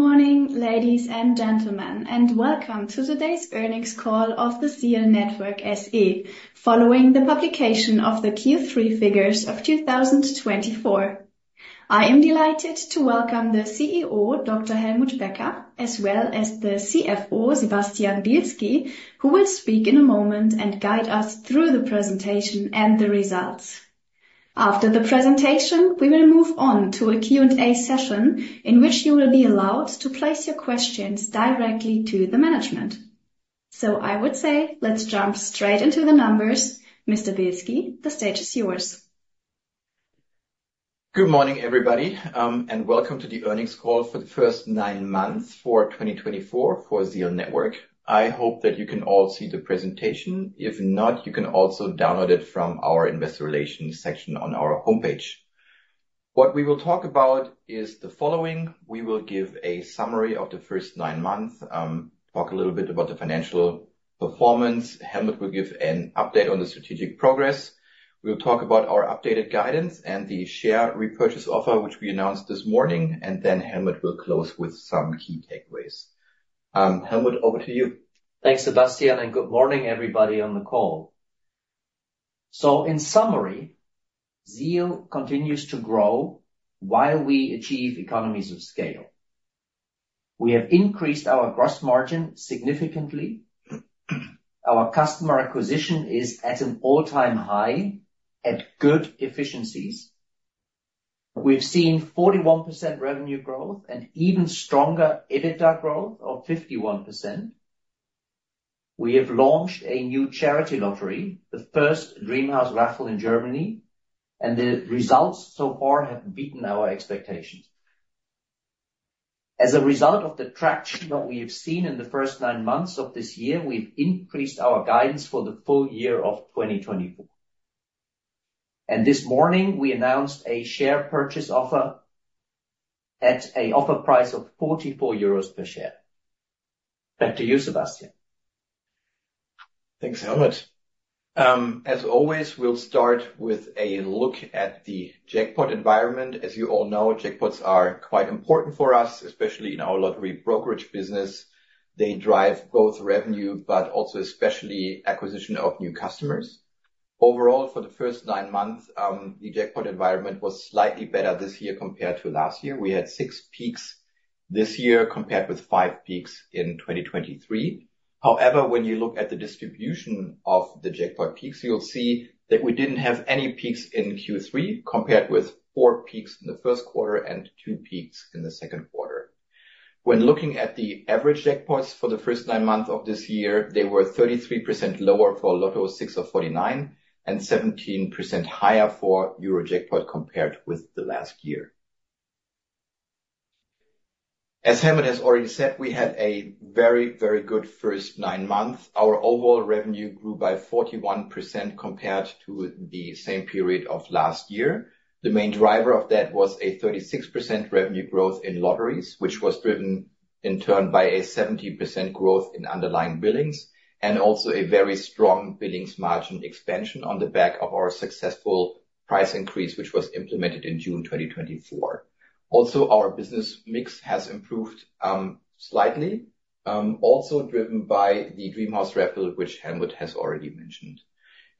Good morning, ladies and gentlemen, and welcome to today's earnings call of the ZEAL Network SE, following the publication of the Q3 figures of 2024. I am delighted to welcome the CEO, Dr. Helmut Becker, as well as the CFO, Sebastian Bielski, who will speak in a moment and guide us through the presentation and the results. After the presentation, we will move on to a Q&A session in which you will be allowed to place your questions directly to the management. So I would say, let's jump straight into the numbers. Mr. Bielski, the stage is yours. Good morning, everybody, and welcome to the earnings call for the first nine months for 2024 for ZEAL Network. I hope that you can all see the presentation. If not, you can also download it from our Investor Relations section on our homepage. What we will talk about is the following. We will give a summary of the first nine months, talk a little bit about the financial performance. Helmut will give an update on the strategic progress. We'll talk about our updated guidance and the share repurchase offer, which we announced this morning, and then Helmut will close with some key takeaways. Helmut, over to you. Thanks, Sebastian, and good morning, everybody on the call. So in summary, ZEAL continues to grow while we achieve economies of scale. We have increased our gross margin significantly. Our customer acquisition is at an all-time high at good efficiencies. We've seen 41% revenue growth and even stronger EBITDA growth of 51%. We have launched a new charity lottery, the first Dreamhouse Raffle in Germany, and the results so far have beaten our expectations. As a result of the traction that we have seen in the first nine months of this year, we've increased our guidance for the full year of 2024. And this morning, we announced a share purchase offer at an offer price of 44 euros per share. Back to you, Sebastian. Thanks, Helmut. As always, we'll start with a look at the jackpot environment. As you all know, jackpots are quite important for us, especially in our lottery brokerage business. They drive both revenue, but also especially acquisition of new customers. Overall, for the first nine months, the jackpot environment was slightly better this year compared to last year. We had six peaks this year compared with five peaks in 2023. However, when you look at the distribution of the jackpot peaks, you'll see that we didn't have any peaks in Q3 compared with four peaks in the first quarter and two peaks in the second quarter. When looking at the average jackpots for the first nine months of this year, they were 33% lower for Lotto 6 of 49 and 17% higher for Eurojackpot compared with the last year. As Helmut has already said, we had a very, very good first nine months. Our overall revenue grew by 41% compared to the same period of last year. The main driver of that was a 36% revenue growth in lotteries, which was driven in turn by a 70% growth in underlying billings, and also a very strong billings margin expansion on the back of our successful price increase, which was implemented in June 2024. Also, our business mix has improved slightly, also driven by the Dreamhouse Raffle, which Helmut has already mentioned.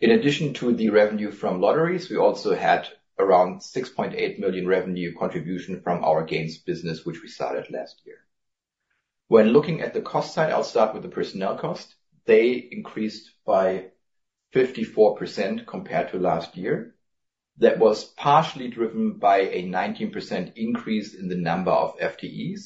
In addition to the revenue from lotteries, we also had around 6.8 million revenue contribution from our games business, which we started last year. When looking at the cost side, I'll start with the personnel cost. They increased by 54% compared to last year. That was partially driven by a 19% increase in the number of FTEs,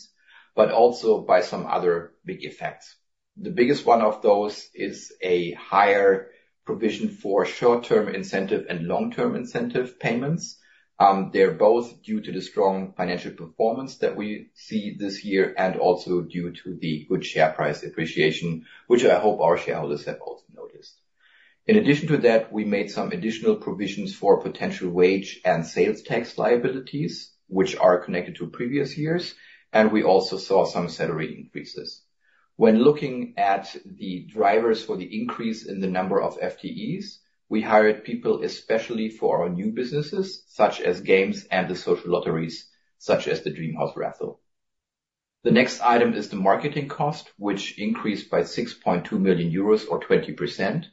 but also by some other big effects. The biggest one of those is a higher provision for short-term incentive and long-term incentive payments. They're both due to the strong financial performance that we see this year and also due to the good share price appreciation, which I hope our shareholders have also noticed. In addition to that, we made some additional provisions for potential wage and sales tax liabilities, which are connected to previous years, and we also saw some salary increases. When looking at the drivers for the increase in the number of FTEs, we hired people especially for our new businesses, such as games and the social lotteries, such as the Dreamhouse Raffle. The next item is the marketing cost, which increased by 6.2 million euros or 20%.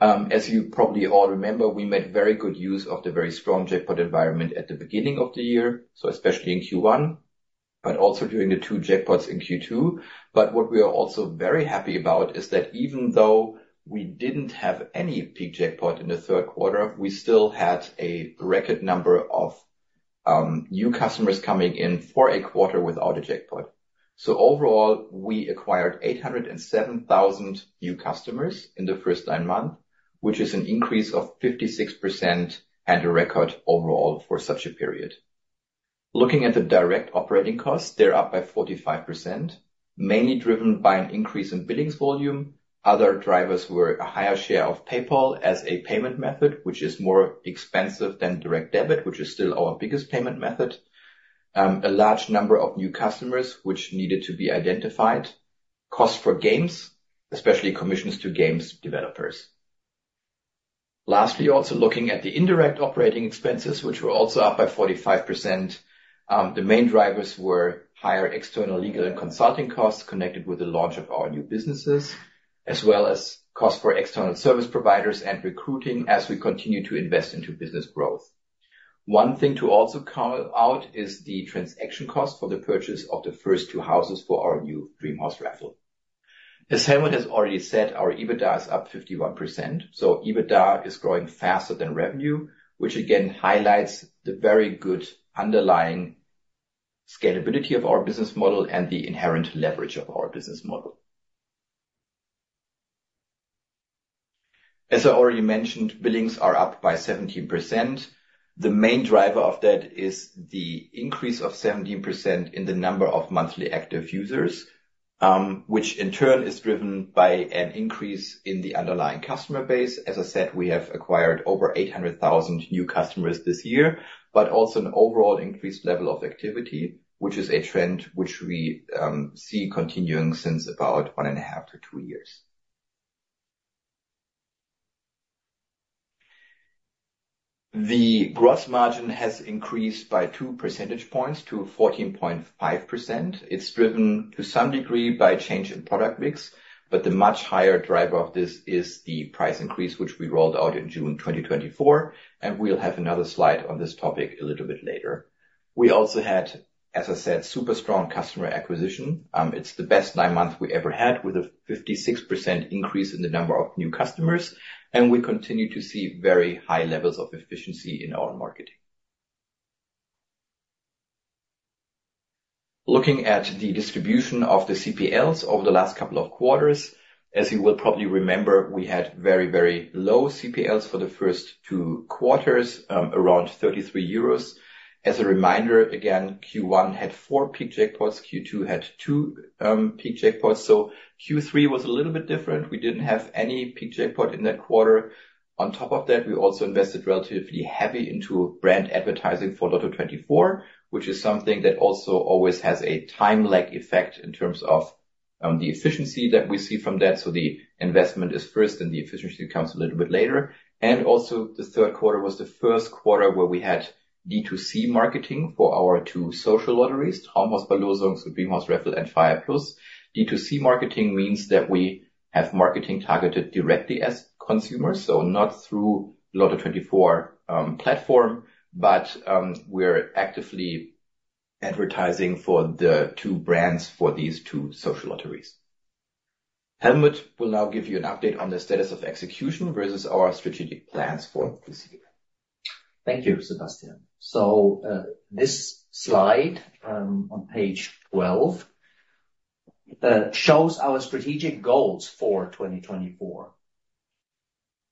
As you probably all remember, we made very good use of the very strong jackpot environment at the beginning of the year, so especially in Q1, but also during the two jackpots in Q2. But what we are also very happy about is that even though we didn't have any peak jackpot in the third quarter, we still had a record number of new customers coming in for a quarter without a jackpot. So overall, we acquired 807,000 new customers in the first nine months, which is an increase of 56% and a record overall for such a period. Looking at the direct operating costs, they're up by 45%, mainly driven by an increase in billings volume. Other drivers were a higher share of PayPal as a payment method, which is more expensive than direct debit, which is still our biggest payment method. A large number of new customers, which needed to be identified, cost for games, especially commissions to game developers. Lastly, also looking at the indirect operating expenses, which were also up by 45%, the main drivers were higher external legal and consulting costs connected with the launch of our new businesses, as well as costs for external service providers and recruiting as we continue to invest into business growth. One thing to also call out is the transaction cost for the purchase of the first two houses for our new Dreamhouse Raffle. As Helmut has already said, our EBITDA is up 51%, so EBITDA is growing faster than revenue, which again highlights the very good underlying scalability of our business model and the inherent leverage of our business model. As I already mentioned, billings are up by 17%. The main driver of that is the increase of 17% in the number of monthly active users, which in turn is driven by an increase in the underlying customer base. As I said, we have acquired over 800,000 new customers this year, but also an overall increased level of activity, which is a trend which we see continuing since about one and a half to two years. The gross margin has increased by two percentage points to 14.5%. It's driven to some degree by change in product mix, but the much higher driver of this is the price increase, which we rolled out in June 2024, and we'll have another slide on this topic a little bit later. We also had, as I said, super strong customer acquisition. It's the best nine months we ever had with a 56% increase in the number of new customers, and we continue to see very high levels of efficiency in our marketing. Looking at the distribution of the CPLs over the last couple of quarters, as you will probably remember, we had very, very low CPLs for the first two quarters, around €33. As a reminder, again, Q1 had four peak jackpots, Q2 had two peak jackpots, so Q3 was a little bit different. We didn't have any peak jackpot in that quarter. On top of that, we also invested relatively heavy into brand advertising for Lotto24, which is something that also always has a time lag effect in terms of the efficiency that we see from that. So the investment is first, and the efficiency comes a little bit later. And also the third quarter was the first quarter where we had D2C marketing for our two social lotteries, Traumhausverlosung, so Dreamhouse Raffle and freiheit+. D2C marketing means that we have marketing targeted directly as consumers, so not through Lotto24 platform, but we're actively advertising for the two brands for these two social lotteries. Helmut will now give you an update on the status of execution versus our strategic plans for this year. Thank you, Sebastian. This slide on page 12 shows our strategic goals for 2024.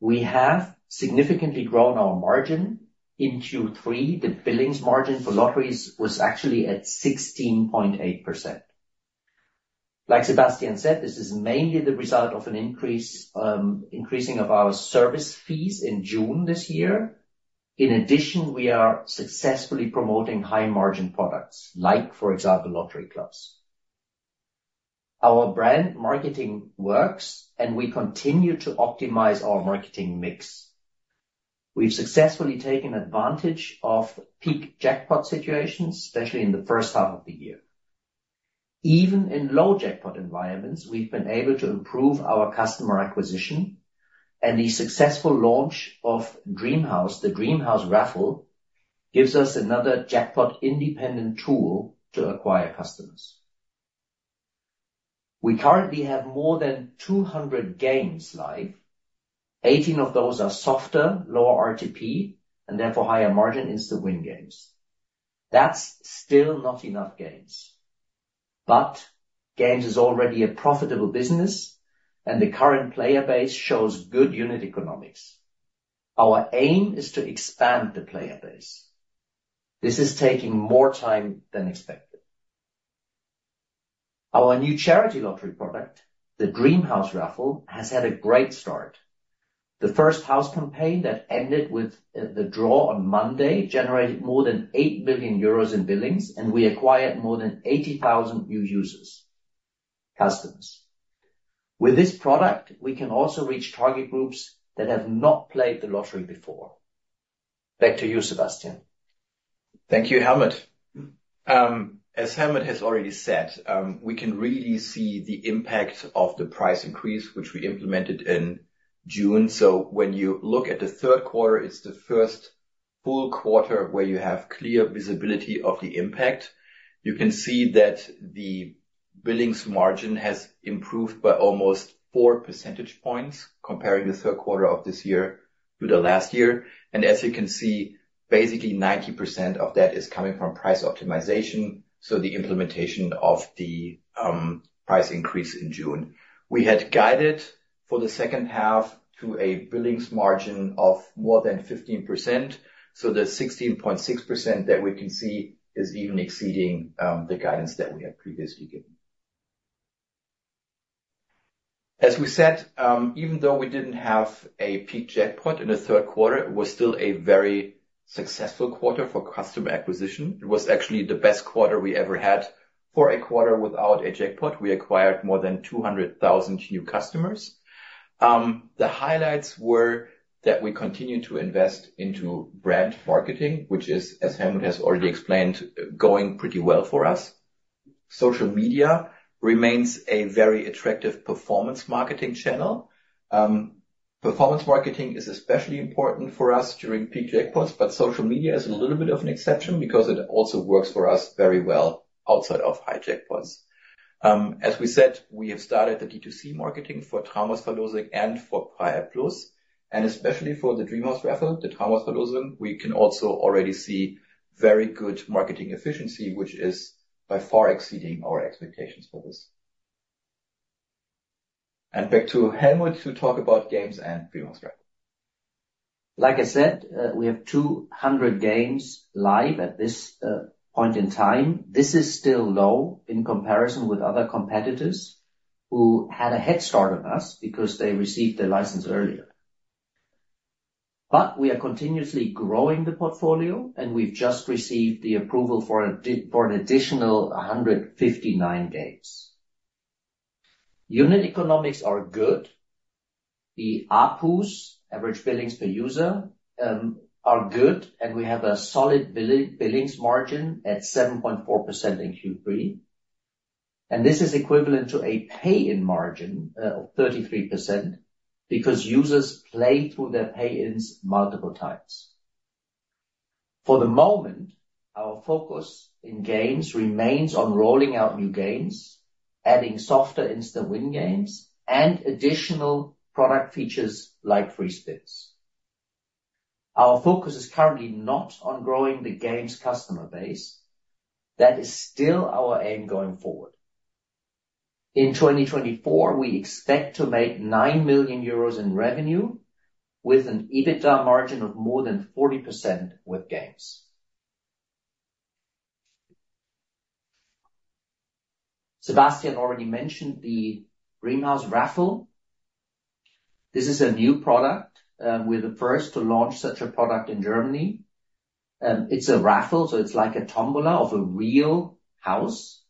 We have significantly grown our margin in Q3. The billings margin for lotteries was actually at 16.8%. Like Sebastian said, this is mainly the result of an increase of our service fees in June this year. In addition, we are successfully promoting high-margin products like, for example, lottery clubs. Our brand marketing works, and we continue to optimize our marketing mix. We've successfully taken advantage of peak jackpot situations, especially in the first half of the year. Even in low jackpot environments, we've been able to improve our customer acquisition, and the successful launch of Dreamhouse, the Dreamhouse Raffle, gives us another jackpot-independent tool to acquire customers. We currently have more than 200 games live. 18 of those are softer, lower RTP, and therefore higher-margin instant win games. That's still not enough games, but games is already a profitable business, and the current player base shows good unit economics. Our aim is to expand the player base. This is taking more time than expected. Our new charity lottery product, the Dreamhouse Raffle, has had a great start. The first house campaign that ended with the draw on Monday generated more than 8 million euros in billings, and we acquired more than 80,000 new users, customers. With this product, we can also reach target groups that have not played the lottery before. Back to you, Sebastian. Thank you, Helmut. As Helmut has already said, we can really see the impact of the price increase, which we implemented in June. So when you look at the third quarter, it's the first full quarter where you have clear visibility of the impact. You can see that the billings margin has improved by almost four percentage points comparing the third quarter of this year to the last year. And as you can see, basically 90% of that is coming from price optimization, so the implementation of the price increase in June. We had guided for the second half to a billings margin of more than 15%, so the 16.6% that we can see is even exceeding the guidance that we had previously given. As we said, even though we didn't have a peak jackpot in the third quarter, it was still a very successful quarter for customer acquisition. It was actually the best quarter we ever had for a quarter without a jackpot. We acquired more than 200,000 new customers. The highlights were that we continue to invest into brand marketing, which is, as Helmut has already explained, going pretty well for us. Social media remains a very attractive performance marketing channel. Performance marketing is especially important for us during peak jackpots, but social media is a little bit of an exception because it also works for us very well outside of high jackpots. As we said, we have started the D2C marketing for Traumhausverlosung and for freiheit+, and especially for the Dreamhouse Raffle, the Traumhausverlosung, we can also already see very good marketing efficiency, which is by far exceeding our expectations for this. And back to Helmut to talk about games and Dreamhouse Raffle. Like I said, we have 200 games live at this point in time. This is still low in comparison with other competitors who had a head start on us because they received the license earlier, but we are continuously growing the portfolio, and we've just received the approval for an additional 159 games. Unit economics are good. The ABPUs, average billings per user, are good, and we have a solid billings margin at 7.4% in Q3, and this is equivalent to a pay-in margin of 33% because users play through their pay-ins multiple times. For the moment, our focus in games remains on rolling out new games, adding softer instant win games, and additional product features like free spins. Our focus is currently not on growing the games customer base. That is still our aim going forward. In 2024, we expect to make €9 million in revenue with an EBITDA margin of more than 40% with games. Sebastian already mentioned the Dreamhouse Raffle. This is a new product. We're the first to launch such a product in Germany. It's a raffle, so it's like a tombola of a real house.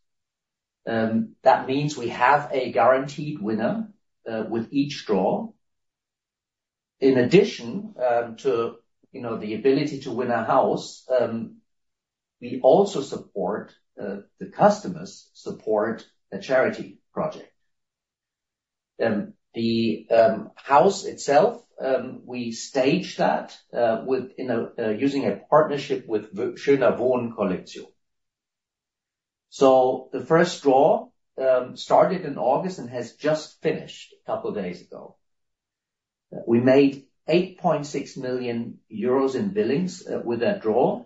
That means we have a guaranteed winner with each draw. In addition to the ability to win a house, we also support the customers' support a charity project. The house itself, we staged that using a partnership with Schöner Wohnen-Kollektion, so the first draw started in August and has just finished a couple of days ago. We made €8.6 million in billings with that draw,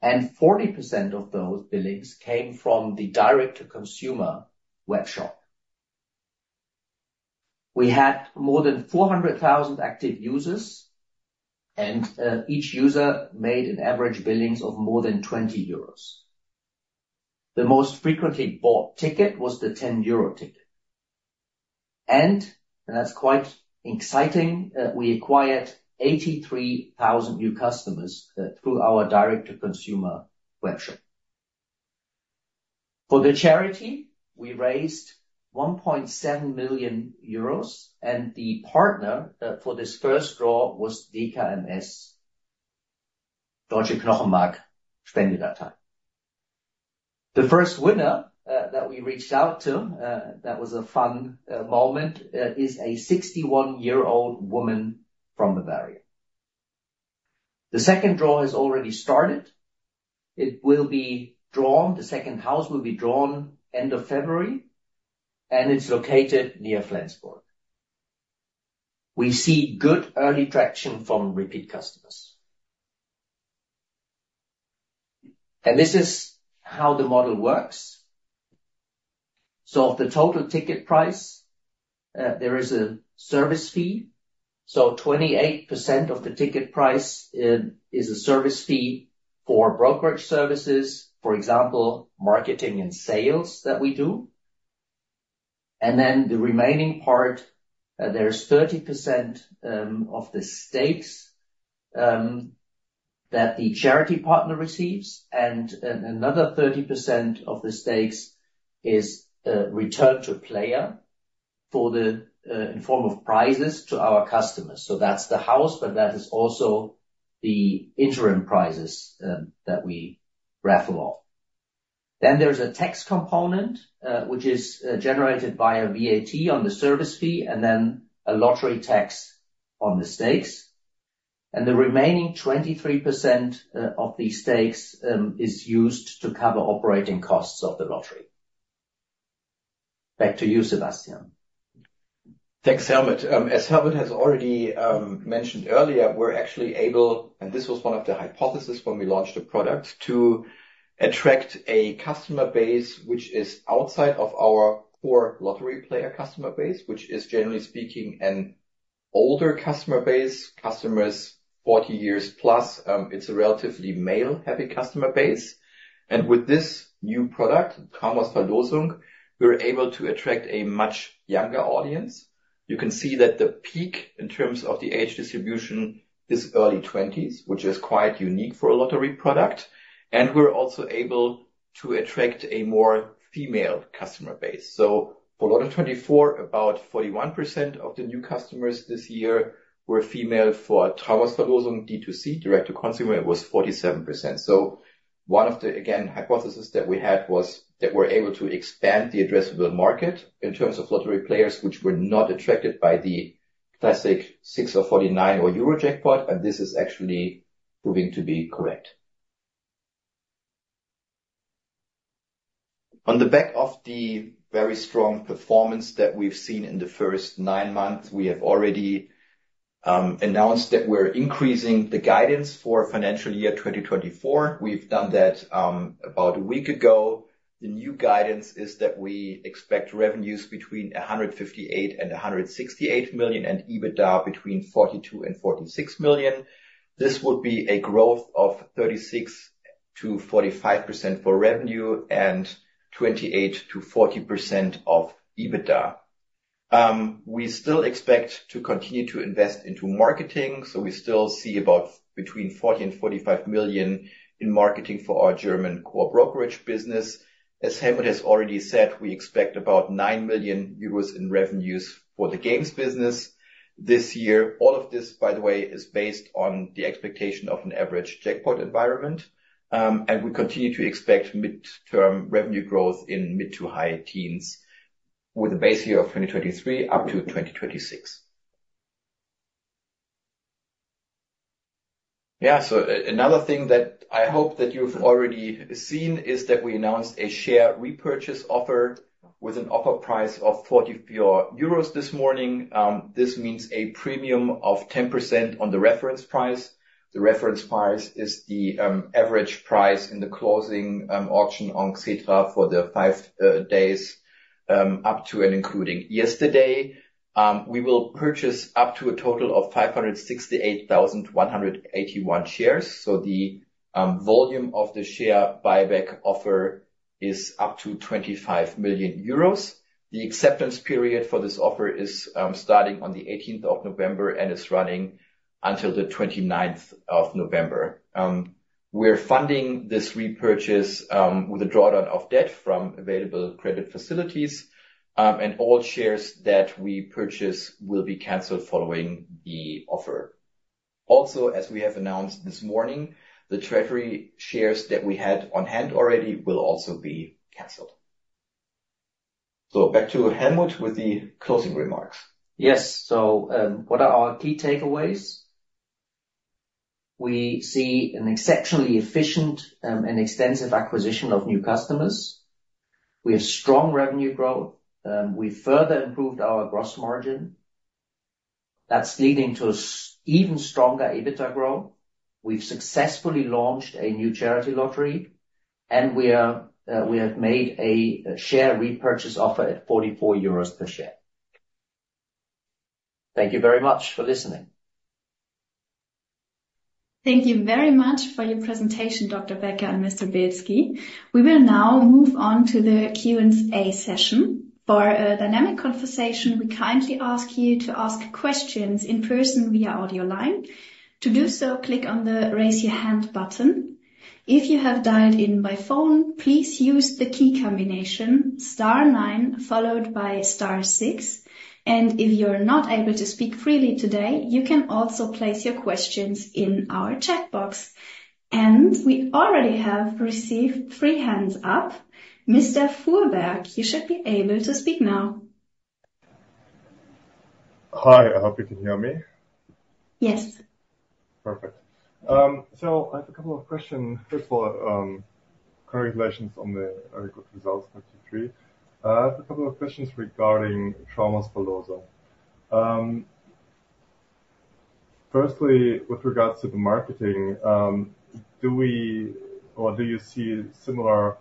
and 40% of those billings came from the direct-to-consumer webshop. We had more than 400,000 active users, and each user made an average billings of more than €20. The most frequently bought ticket was the 10 euro ticket. That's quite exciting. We acquired 83,000 new customers through our direct-to-consumer webshop. For the charity, we raised 1.7 million euros, and the partner for this first draw was DKMS, Deutsche Knochenmarkspenderdatei. The first winner that we reached out to, that was a fun moment, is a 61-year-old woman from Bavaria. The second draw has already started. It will be drawn. The second house will be drawn end of February, and it's located near Flensburg. We see good early traction from repeat customers. This is how the model works. Of the total ticket price, there is a service fee. 28% of the ticket price is a service fee for brokerage services, for example, marketing and sales that we do. And then the remaining part, there's 30% of the stakes that the charity partner receives, and another 30% of the stakes is returned to a player in the form of prizes to our customers. So that's the house, but that is also the interim prizes that we raffle off. Then there's a tax component, which is generated via VAT on the service fee and then a lottery tax on the stakes. And the remaining 23% of the stakes is used to cover operating costs of the lottery. Back to you, Sebastian. Thanks, Helmut. As Helmut has already mentioned earlier, we're actually able, and this was one of the hypotheses when we launched the product, to attract a customer base which is outside of our core lottery player customer base, which is, generally speaking, an older customer base, customers 40 years plus. It's a relatively male-heavy customer base. And with this new product, Traumhausverlosung, we're able to attract a much younger audience. You can see that the peak in terms of the age distribution is early 20s, which is quite unique for a lottery product. And we're also able to attract a more female customer base. So for Lotto24, about 41% of the new customers this year were female. For Traumhausverlosung, D2C, direct-to-consumer, it was 47%. So one of the, again, hypotheses that we had was that we're able to expand the addressable market in terms of lottery players which were not attracted by the classic 6 or 49 or Eurojackpot, and this is actually proving to be correct. On the back of the very strong performance that we've seen in the first nine months, we have already announced that we're increasing the guidance for financial year 2024. We've done that about a week ago. The new guidance is that we expect revenues between 158 and 168 million and EBITDA between 42 and 46 million. This would be a growth of 36%-45% for revenue and 28%-40% of EBITDA. We still expect to continue to invest into marketing, so we still see about between 40 and 45 million in marketing for our German core brokerage business. As Helmut has already said, we expect about €9 million in revenues for the games business this year. All of this, by the way, is based on the expectation of an average jackpot environment, and we continue to expect midterm revenue growth in mid to high teens with a base year of 2023 up to 2026. Yeah, so another thing that I hope that you've already seen is that we announced a share repurchase offer with an offer price of €44 this morning. This means a premium of 10% on the reference price. The reference price is the average price in the closing auction on XETRA for the five days up to and including yesterday. We will purchase up to a total of 568,181 shares, so the volume of the share buyback offer is up to €25 million. The acceptance period for this offer is starting on the 18th of November and is running until the 29th of November. We're funding this repurchase with a drawdown of debt from available credit facilities, and all shares that we purchase will be canceled following the offer. Also, as we have announced this morning, the treasury shares that we had on hand already will also be canceled, so back to Helmut with the closing remarks. Yes, so what are our key takeaways? We see an exceptionally efficient and extensive acquisition of new customers. We have strong revenue growth. We further improved our gross margin. That's leading to even stronger EBITDA growth. We've successfully launched a new charity lottery, and we have made a share repurchase offer at 44 euros per share. Thank you very much for listening. Thank you very much for your presentation, Dr. Becker and Mr. Bielski. We will now move on to the Q&A session. For a dynamic conversation, we kindly ask you to ask questions in person via audio line. To do so, click on the raise your hand button. If you have dialed in by phone, please use the key combination star 9 followed by star 6, and if you're not able to speak freely today, you can also place your questions in our chat box, and we already have received three hands up. Mr. Fuhrberg, you should be able to speak now. Hi, I hope you can hear me. Yes. Perfect. So I have a couple of questions. First of all, congratulations on the very good results for Q3. I have a couple of questions regarding Traumhausverlosung. Firstly, with regards to the marketing, do you see similar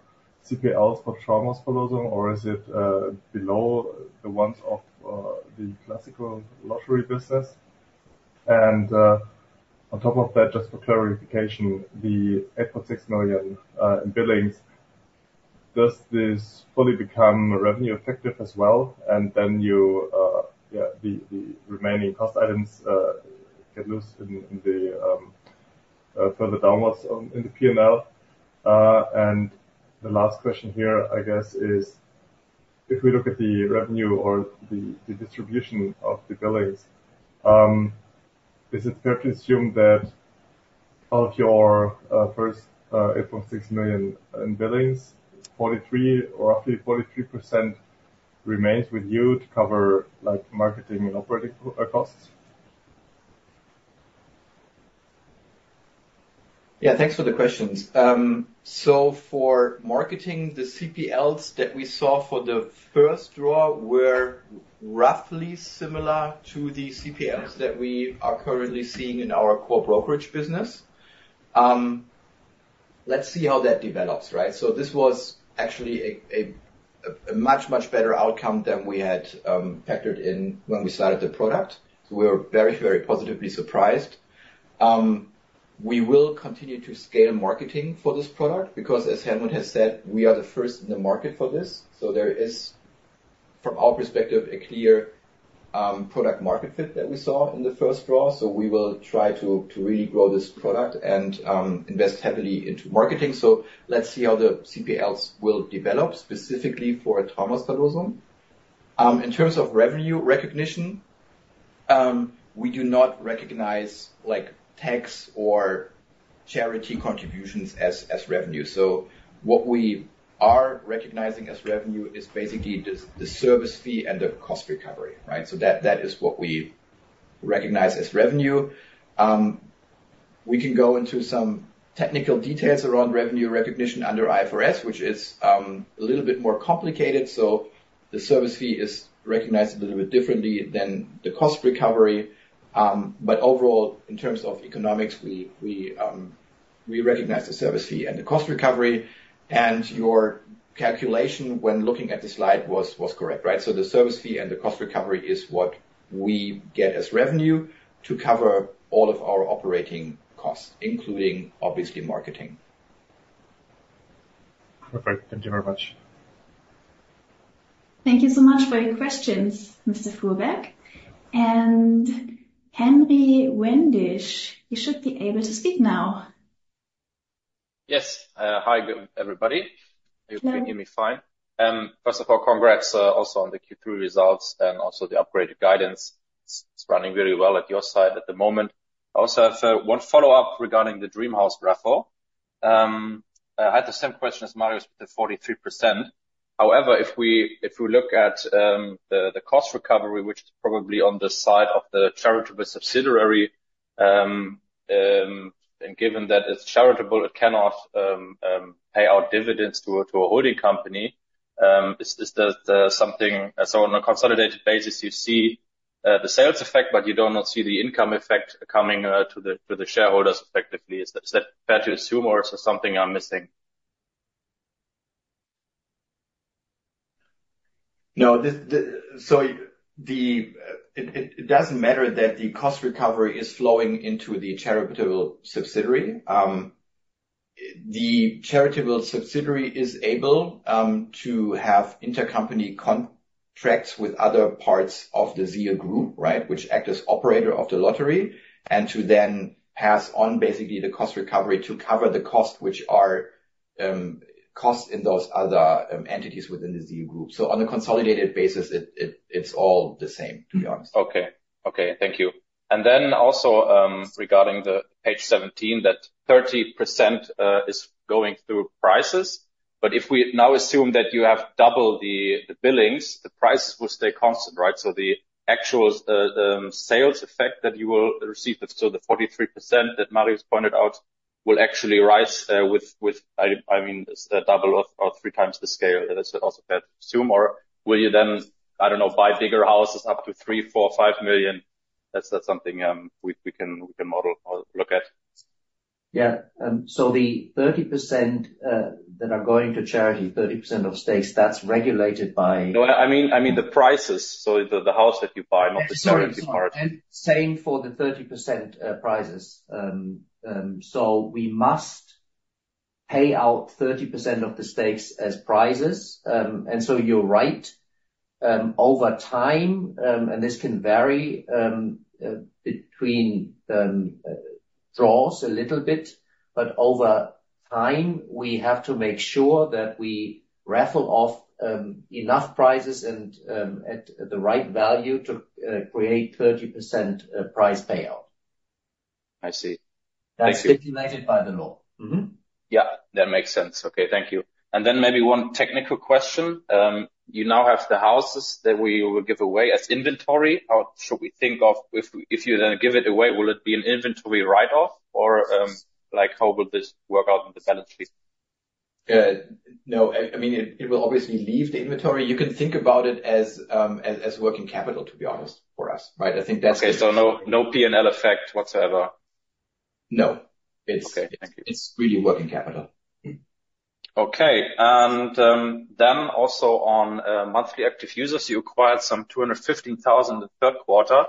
CPLs for Traumhausverlosung, or is it below the ones of the classical lottery business? And on top of that, just for clarification, the 8.6 million in billings, does this fully become revenue effective as well? And then the remaining cost items get loose in the further downwards in the P&L? And the last question here, I guess, is if we look at the revenue or the distribution of the billings, is it fair to assume that of your first 8.6 million in billings, roughly 43% remains with you to cover marketing and operating costs? Yeah, thanks for the questions. So for marketing, the CPLs that we saw for the first draw were roughly similar to the CPLs that we are currently seeing in our core brokerage business. Let's see how that develops, right? So this was actually a much, much better outcome than we had factored in when we started the product. So we were very, very positively surprised. We will continue to scale marketing for this product because, as Helmut has said, we are the first in the market for this. So there is, from our perspective, a clear product-market fit that we saw in the first draw, so we will try to really grow this product and invest heavily into marketing. So let's see how the CPLs will develop specifically for Traumhausverlosung. In terms of revenue recognition, we do not recognize tax or charity contributions as revenue. What we are recognizing as revenue is basically the service fee and the cost recovery, right? That is what we recognize as revenue. We can go into some technical details around revenue recognition under IFRS, which is a little bit more complicated. The service fee is recognized a little bit differently than the cost recovery. But overall, in terms of economics, we recognize the service fee and the cost recovery. Your calculation when looking at the slide was correct, right? The service fee and the cost recovery is what we get as revenue to cover all of our operating costs, including obviously marketing. Perfect. Thank you very much. Thank you so much for your questions, Mr. Fuhrberg, and Henry Wendisch, you should be able to speak now. Yes. Hi, everybody. Hello. You can hear me fine? First of all, congrats also on the Q3 results and also the upgraded guidance. It's running very well at your side at the moment. I also have one follow-up regarding the Dreamhouse Raffle. I had the same question as Marius with the 43%. However, if we look at the cost recovery, which is probably on the side of the charitable subsidiary, and given that it's charitable, it cannot pay out dividends to a holding company. Is that something? So on a consolidated basis, you see the sales effect, but you do not see the income effect coming to the shareholders effectively. Is that fair to assume, or is there something I'm missing? No. So it doesn't matter that the cost recovery is flowing into the charitable subsidiary. The charitable subsidiary is able to have intercompany contracts with other parts of the ZEAL Group, right, which act as operator of the lottery, and to then pass on basically the cost recovery to cover the cost, which are costs in those other entities within the ZEAL Group. So on a consolidated basis, it's all the same, to be honest. Okay. Okay. Thank you. And then also regarding the page 17, that 30% is going through prices. But if we now assume that you have double the billings, the prices will stay constant, right? So the actual sales effect that you will receive, so the 43% that Marius pointed out, will actually rise with, I mean, double or three times the scale. That's also fair to assume. Or will you then, I don't know, buy bigger houses up to three, four, five million? That's something we can model or look at. Yeah. So the 30% that are going to charity, 30% of stakes, that's regulated by. No, I mean the prices. So the house that you buy, not the charity part. Same for the 30% prizes. We must pay out 30% of the stakes as prizes. You're right. Over time, and this can vary between draws a little bit, but over time, we have to make sure that we raffle off enough prizes and at the right value to create 30% prize payout. I see. Thank you. That's stipulated by the law. Yeah, that makes sense. Okay, thank you. And then maybe one technical question. You now have the houses that we will give away as inventory. How should we think of if you then give it away? Will it be an inventory write-off, or how will this work out in the balance sheet? No, I mean, it will obviously leave the inventory. You can think about it as working capital, to be honest, for us, right? I think that's. Okay, so no P&L effect whatsoever? No. Okay, thank you. It's really working capital. Okay. And then also on monthly active users, you acquired some 215,000 in the third quarter.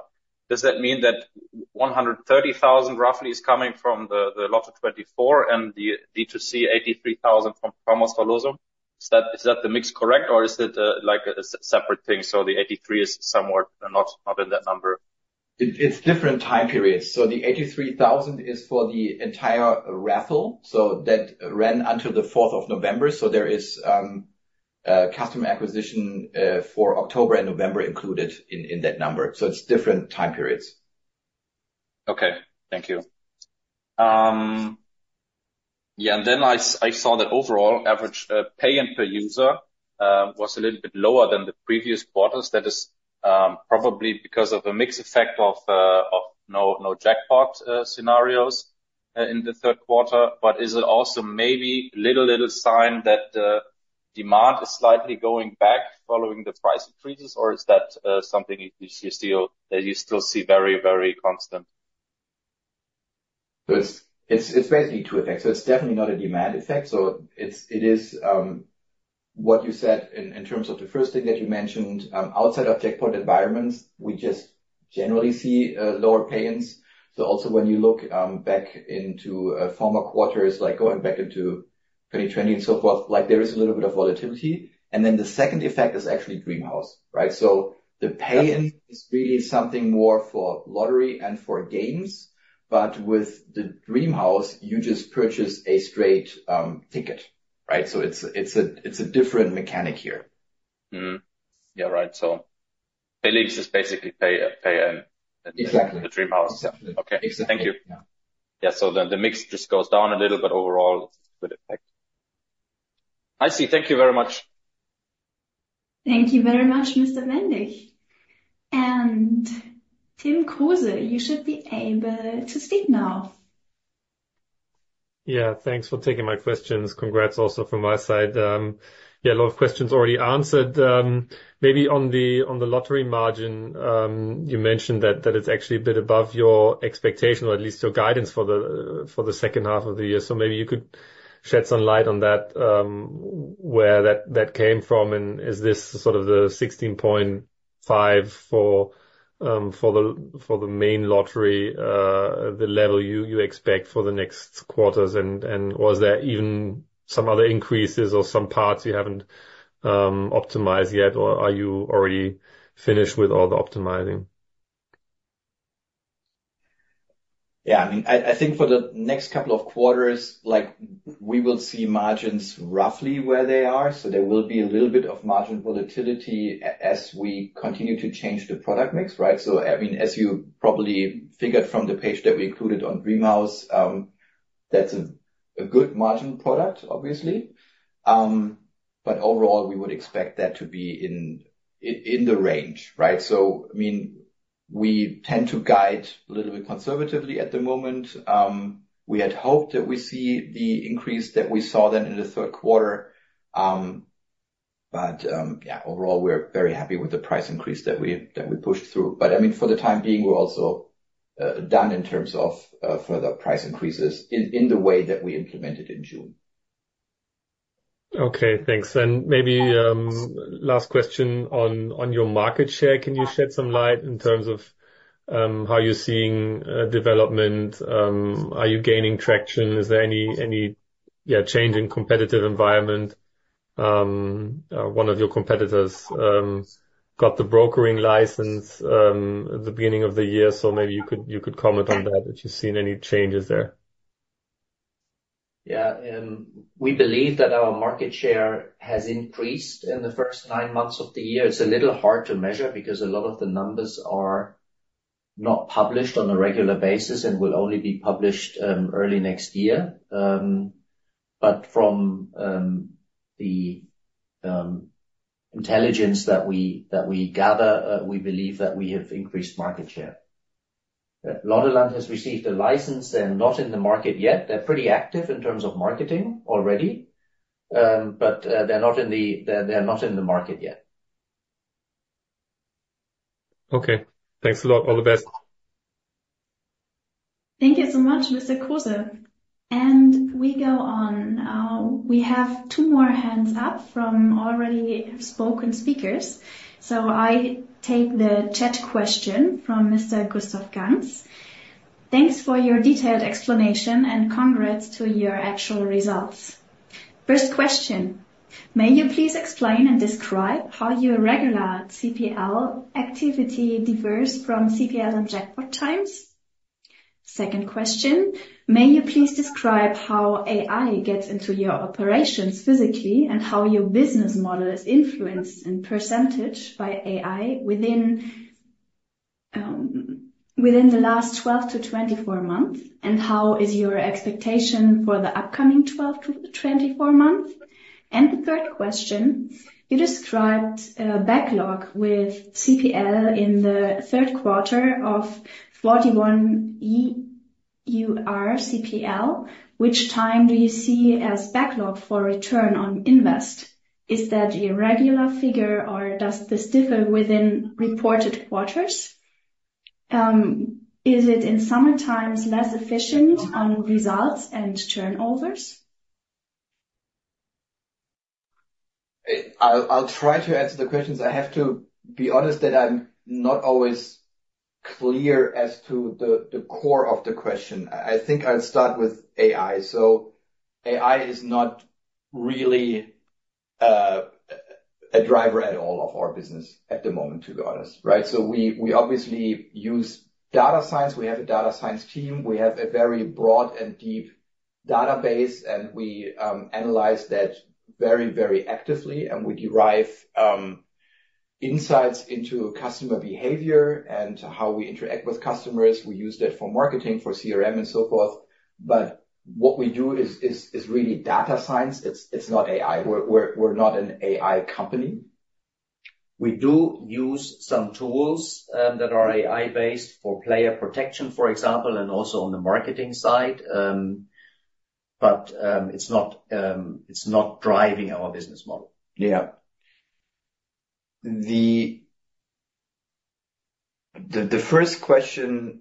Does that mean that 130,000 roughly is coming from the Lotto24 and the D2C 83,000 from Traumhausverlosung? Is that the mix correct, or is it a separate thing? So the 83 is somewhat not in that number? It's different time periods. So the 83,000 is for the entire raffle. So that ran until the 4th of November. So there is customer acquisition for October and November included in that number. So it's different time periods. Okay. Thank you. Yeah. And then I saw that overall average pay-in per user was a little bit lower than the previous quarters. That is probably because of a mixed effect of no jackpot scenarios in the third quarter. But is it also maybe a little, little sign that the demand is slightly going back following the price increases, or is that something that you still see very, very constant? It's basically two effects. So it's definitely not a demand effect. So it is what you said in terms of the first thing that you mentioned. Outside of jackpot environments, we just generally see lower pay-ins. So also when you look back into former quarters, like going back into 2020 and so forth, there is a little bit of volatility. And then the second effect is actually Dreamhouse, right? So the pay-in is really something more for lottery and for games. But with the Dreamhouse, you just purchase a straight ticket, right? So it's a different mechanic here. Yeah, right. So PayPal is basically pay and the Dreamhouse. Exactly. Okay. Thank you. Yeah. So the mix just goes down a little, but overall, it's a good effect. I see. Thank you very much. Thank you very much, Mr. Wendisch, and Tim Kruse, you should be able to speak now. Yeah, thanks for taking my questions. Congrats also from my side. Yeah, a lot of questions already answered. Maybe on the lottery margin, you mentioned that it's actually a bit above your expectation, or at least your guidance for the second half of the year. So maybe you could shed some light on that, where that came from, and is this sort of the 16.5 for the main lottery, the level you expect for the next quarters? And was there even some other increases or some parts you haven't optimized yet, or are you already finished with all the optimizing? Yeah, I mean, I think for the next couple of quarters, we will see margins roughly where they are. So there will be a little bit of margin volatility as we continue to change the product mix, right? So I mean, as you probably figured from the page that we included on Dreamhouse, that's a good margin product, obviously. But overall, we would expect that to be in the range, right? So I mean, we tend to guide a little bit conservatively at the moment. We had hoped that we see the increase that we saw then in the third quarter. But yeah, overall, we're very happy with the price increase that we pushed through. But I mean, for the time being, we're also done in terms of further price increases in the way that we implemented in June. Okay, thanks. And maybe last question on your market share. Can you shed some light in terms of how you're seeing development? Are you gaining traction? Is there any change in competitive environment? One of your competitors got the brokering license at the beginning of the year. So maybe you could comment on that, if you've seen any changes there. Yeah. We believe that our market share has increased in the first nine months of the year. It's a little hard to measure because a lot of the numbers are not published on a regular basis and will only be published early next year. But from the intelligence that we gather, we believe that we have increased market share. Lottoland has received a license and not in the market yet. They're pretty active in terms of marketing already, but they're not in the market yet. Okay. Thanks a lot. All the best. Thank you so much, Mr. Kruse, and we go on. We have two more hands up from already spoken speakers, so I take the chat question from Mr. Gustav Ganz. Thanks for your detailed explanation and congrats to your actual results. First question. May you please explain and describe how your regular CPL activity differs from CPL and jackpot times? Second question. May you please describe how AI gets into your operations physically and how your business model is influenced in percentage by AI within the last 12 to 24 months, and how is your expectation for the upcoming 12 to 24 months? The third question. You described backlog with CPL in the third quarter of 41 EUR CPL. Which time do you see as backlog for return on investment? Is that a regular figure, or does this differ within reported quarters? Is it in summertime less efficient on results and turnovers? I'll try to answer the questions. I have to be honest that I'm not always clear as to the core of the question. I think I'll start with AI, so AI is not really a driver at all of our business at the moment, to be honest, right, so we obviously use data science. We have a data science team. We have a very broad and deep database, and we analyze that very, very actively, and we derive insights into customer behavior and how we interact with customers. We use that for marketing, for CRM, and so forth. But what we do is really data science. It's not AI. We're not an AI company. We do use some tools that are AI-based for player protection, for example, and also on the marketing side. But it's not driving our business model. Yeah. The first question,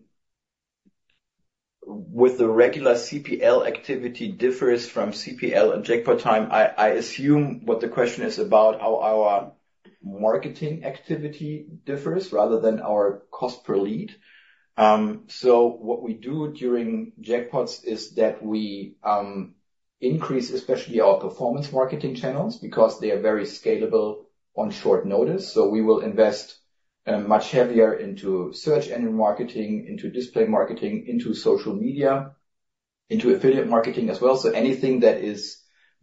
with the regular CPL activity differs from CPL and jackpot time, I assume what the question is about how our marketing activity differs rather than our cost per lead. So what we do during jackpots is that we increase, especially our performance marketing channels, because they are very scalable on short notice. So we will invest much heavier into search engine marketing, into display marketing, into social media, into affiliate marketing as well. So anything that is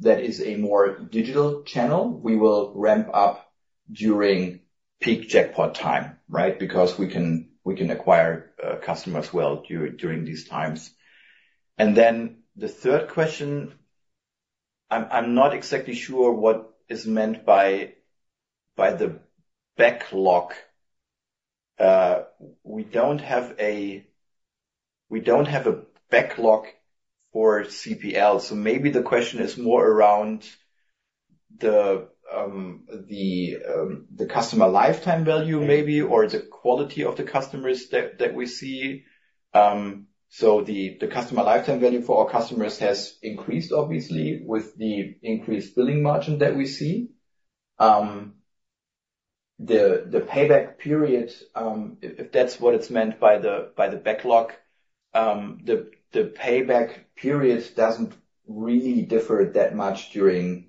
a more digital channel, we will ramp up during peak jackpot time, right? Because we can acquire customers well during these times. And then the third question, I'm not exactly sure what is meant by the backlog. We don't have a backlog for CPL. So maybe the question is more around the customer lifetime value, maybe, or the quality of the customers that we see. So the customer lifetime value for our customers has increased, obviously, with the increased billing margin that we see. The payback period, if that's what it's meant by the backlog, the payback period doesn't really differ that much during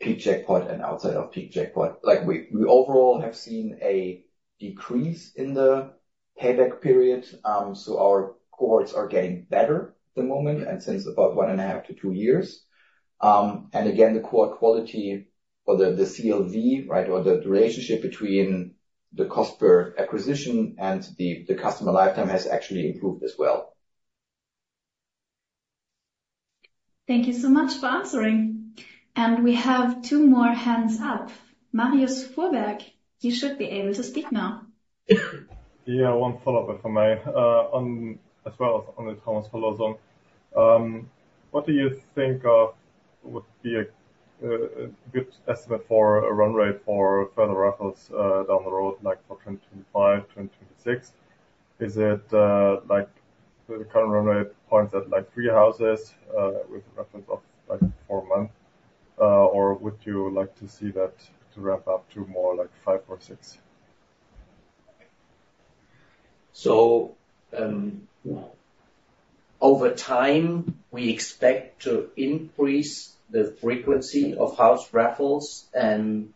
peak jackpot and outside of peak jackpot. We overall have seen a decrease in the payback period. So our quarters are getting better at the moment and since about one and a half to two years. And again, the core quality or the CLV, right, or the relationship between the cost per acquisition and the customer lifetime has actually improved as well. Thank you so much for answering, and we have two more hands up. Marius Fuhrberg, you should be able to speak now. Yeah, one follow-up if I may, as well as on the Traumhausverlosung. What do you think would be a good estimate for a run rate for further raffles down the road, like for 2025, 2026? Is it like the current run rate points at like three houses with a reference of like four months? Or would you like to see that to ramp up to more like five or six? So over time, we expect to increase the frequency of house raffles. And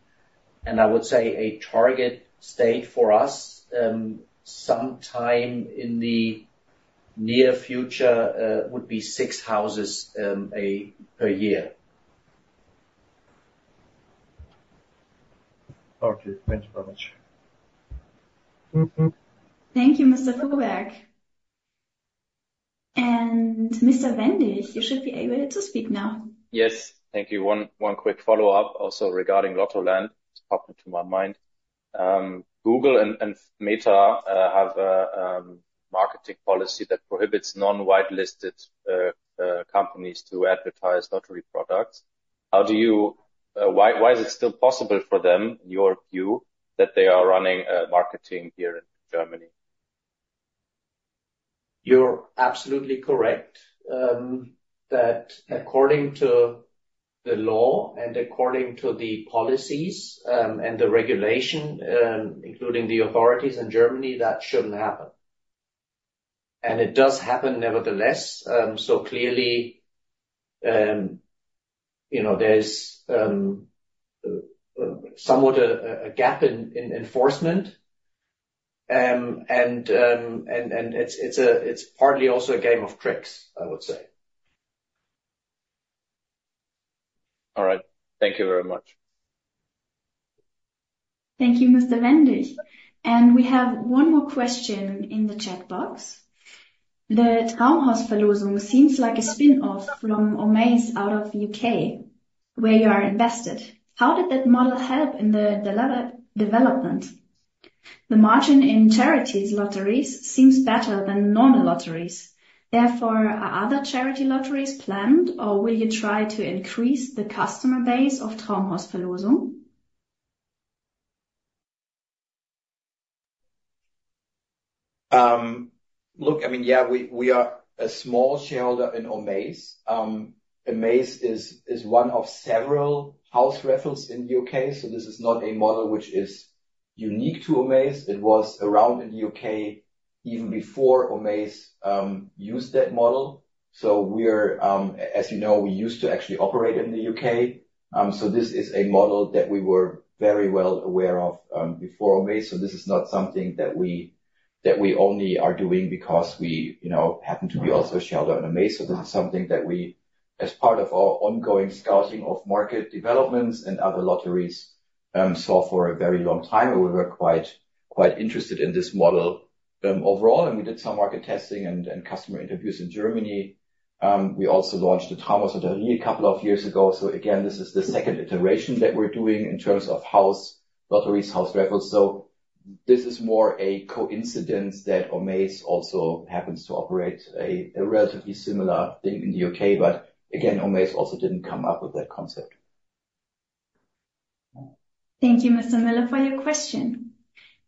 I would say a target state for us sometime in the near future would be six houses per year. Okay, thank you very much. Thank you, Mr. Fuhrberg. Mr. Wendisch, you should be able to speak now. Yes, thank you. One quick follow-up also regarding Lottoland. It's popping to my mind. Google and Meta have a marketing policy that prohibits non-whitelisted companies to advertise lottery products. How do you, why is it still possible for them, in your view, that they are running marketing here in Germany? You're absolutely correct that according to the law and according to the policies and the regulation, including the authorities in Germany, that shouldn't happen, and it does happen nevertheless, so clearly, there's somewhat a gap in enforcement, and it's partly also a game of tricks, I would say. All right. Thank you very much. Thank you, Mr. Wendisch, and we have one more question in the chat box. The Traumhausverlosung seems like a spin-off from Omaze out of the UK, where you are invested. How did that model help in the development? The margin in charity lotteries seems better than normal lotteries. Therefore, are other charity lotteries planned, or will you try to increase the customer base of Traumhausverlosung? Look, I mean, yeah, we are a small shareholder in Omaze. Omaze is one of several house raffles in the U.K. So this is not a model which is unique to Omaze. It was around in the U.K. even before Omaze used that model. So as you know, we used to actually operate in the U.K. So this is a model that we were very well aware of before Omaze. So this is not something that we only are doing because we happen to be also a shareholder in Omaze. So this is something that we, as part of our ongoing scouting of market developments and other lotteries, saw for a very long time. We were quite interested in this model overall. And we did some market testing and customer interviews in Germany. We also launched the Traumhausverlosung a couple of years ago. So again, this is the second iteration that we're doing in terms of house lotteries, house raffles. So this is more a coincidence that Omaze also happens to operate a relatively similar thing in the U.K. But again, Omaze also didn't come up with that concept. Thank you, Mr. Müller, for your question.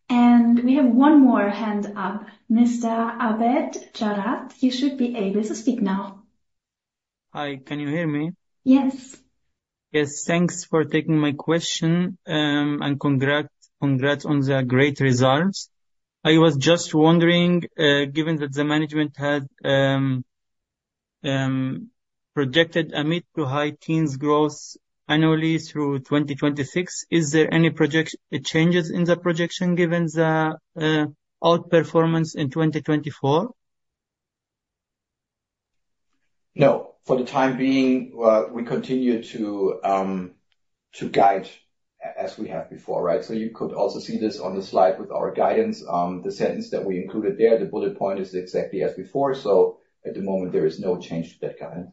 And we have one more hand up. Mr. Abed Jarad, you should be able to speak now. Hi, can you hear me? Yes. Yes, thanks for taking my question. And congrats on the great results. I was just wondering, given that the management had projected a mid- to high-teens growth annually through 2026, is there any changes in the projection given the outperformance in 2024? No. For the time being, we continue to guide as we have before, right? So you could also see this on the slide with our guidance. The sentence that we included there, the bullet point is exactly as before. So at the moment, there is no change to that guidance.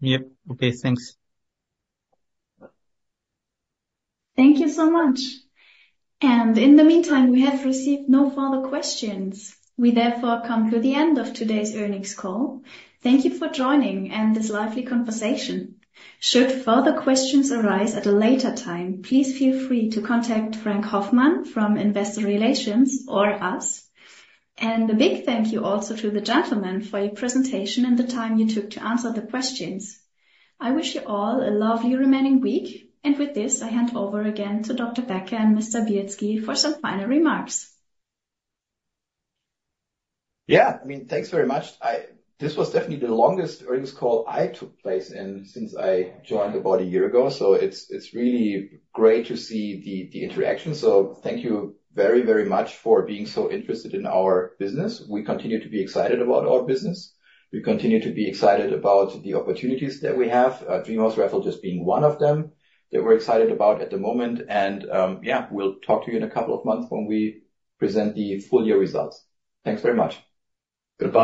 Yep. Okay, thanks. Thank you so much, and in the meantime, we have received no further questions. We therefore come to the end of today's earnings call. Thank you for joining and this lively conversation. Should further questions arise at a later time, please feel free to contact Frank Hoffmann from Investor Relations or us, and a big thank you also to the gentlemen for your presentation and the time you took to answer the questions. I wish you all a lovely remaining week, and with this, I hand over again to Dr. Becker and Mr. Bielski for some final remarks. Yeah, I mean, thanks very much. This was definitely the longest earnings call that's taken place since I joined about a year ago. So it's really great to see the interaction. So thank you very, very much for being so interested in our business. We continue to be excited about our business. We continue to be excited about the opportunities that we have, Dreamhouse Raffle just being one of them that we're excited about at the moment. And yeah, we'll talk to you in a couple of months when we present the full year results. Thanks very much. Good luck.